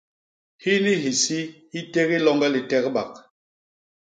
Hini hisi hi tégi loñge litegbak.